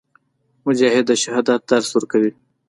مجاهد د شهامت درس ورکوي.